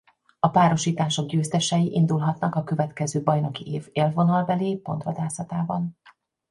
A párosítások győztesei indulhatnak a következő bajnoki év élvonalbeli pontvadászatában.